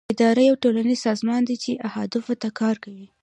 اداره یو ټولنیز سازمان دی چې اهدافو ته کار کوي.